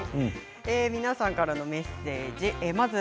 皆さんからのメッセージです。